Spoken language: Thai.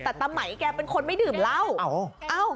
แต่ตะไหมแกเป็นคนไม่ดื่มเหล้า